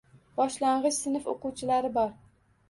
Boshlang‘ich sinf o‘quvchilari bor.